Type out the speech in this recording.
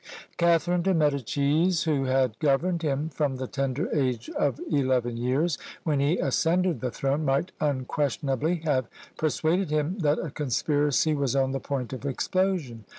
Catharine de Medicis, who had governed him from the tender age of eleven years, when he ascended the throne, might unquestionably have persuaded him that a conspiracy was on the point of explosion.